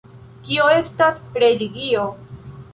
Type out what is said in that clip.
Kio estas religio?